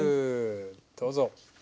どうぞ。